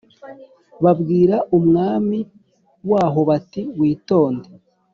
babwira umwami waho bati witonde